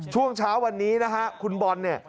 ช่วงเช้าวันนี้คุณบอล